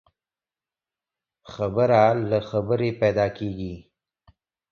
خبره له خبري پيدا کېږي.